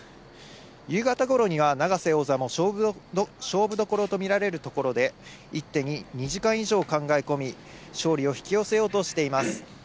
夕方ごろには永瀬王座も勝負どころと見られるところで、１手に２時間以上考え込み、勝利を引き寄せようとしています。